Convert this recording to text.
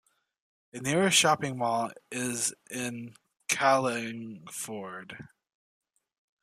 The nearest shopping mall is in Carlingford.